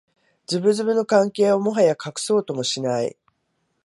ズブズブの関係をもはや隠そうともしない